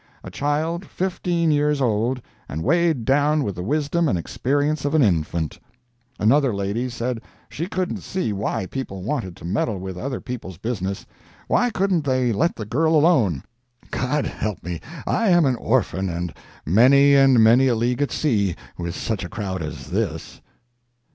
A child fifteen years old, and weighted down with the wisdom and experience of an infant! Another lady said she couldn't see why people wanted to meddle with other people's business. Why couldn't they let the girl alone! God help me! I am an orphan and many and many a league at sea—with such a crowd as this!